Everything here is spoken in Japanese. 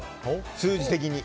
数字的に。